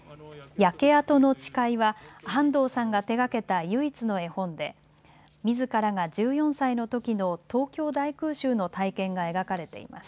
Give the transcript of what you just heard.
焼けあとのちかいは半藤さんが手がけた唯一の絵本でみずからが１４歳のときの東京大空襲の体験が描かれています。